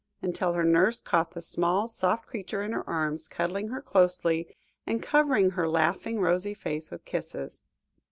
until her nurse caught the small, soft creature in her arms, cuddling her closely and covering her laughing, rosy face with kisses.